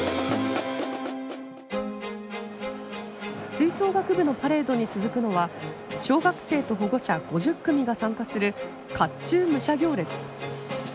吹奏楽部のパレードに続くのは小学生と保護者５０組が参加する甲冑武者行列。